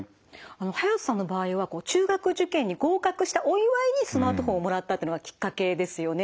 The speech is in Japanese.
ハヤトさんの場合は中学受験に合格したお祝いにスマートフォンをもらったのがきっかけですよね。